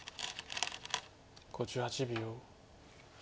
５８秒。